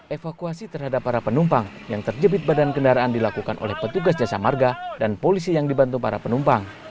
evakuasi terhadap para penumpang yang terjepit badan kendaraan dilakukan oleh petugas jasa marga dan polisi yang dibantu para penumpang